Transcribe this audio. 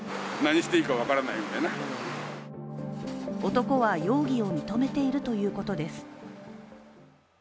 男は容疑を認めているということです。